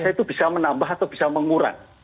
itu bisa menambah atau bisa mengurang